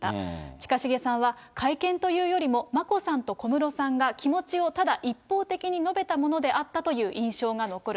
近重さんは、会見というよりも、眞子さんと小室さんが気持ちをただ一方的に述べたものであったという印象が残る。